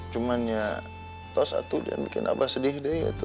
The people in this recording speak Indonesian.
cuman ya tos atu dan bikin abah sedih deh ya